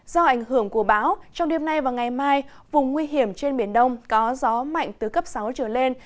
do ảnh hưởng của bão trong đêm nay và ngày mai vùng nguy hiểm trên biển đông có gió mạnh từ cấp sáu trở lên